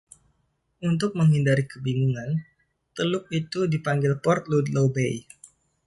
Untuk menghindari kebingungan, teluk itu terkadang dipanggil Port Ludlow Bay.